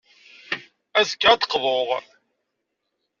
Azekka, ad d-qḍuɣ.